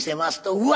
「うわ！